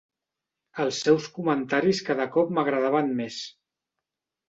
Els seus comentaris cada cop m'agradaven més.